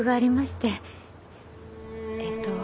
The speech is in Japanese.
えっと